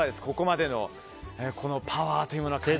ここまでのパワーというのは。